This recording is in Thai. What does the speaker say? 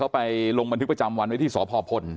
ไปลงบันทึกประจำวันไว้ที่สพพล